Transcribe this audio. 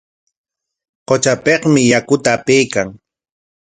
Qutrapikmi yakuta apaykan.